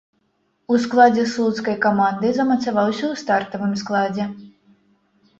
У складзе слуцкай каманды замацаваўся ў стартавым складзе.